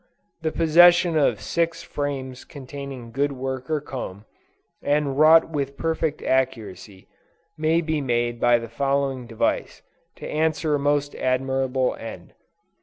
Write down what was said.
The possession of six frames containing good worker comb, and wrought with perfect accuracy, may be made by the following device, to answer a most admirable end.